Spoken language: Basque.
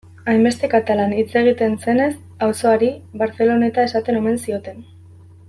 Hainbeste katalan hitz egiten zenez, auzoari Barceloneta esaten omen zioten.